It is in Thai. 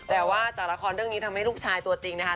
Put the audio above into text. แต่ว่าจากละครเรื่องนี้ทำให้ลูกชายตัวจริงนะคะ